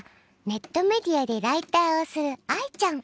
ネットメディアでライターをする愛ちゃん。